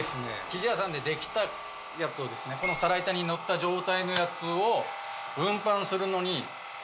生地屋さんで出来たやつをこの皿板に載った状態のやつを運搬するのに。